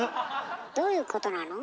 どういうことなの？